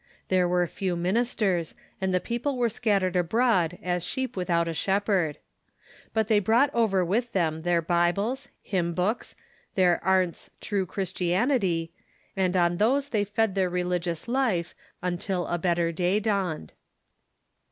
There were few ministers, and the people were scattered abroad as sheep without a shepherd. But they brought over with them their Bibles^ hymn books, their Arndt's " True Christianity," and on those they fed their re ligious life until a better day dawned.